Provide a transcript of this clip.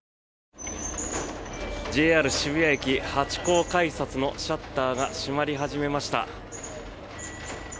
ＪＲ渋谷駅ハチ公改札のシャッターが閉まり始めました。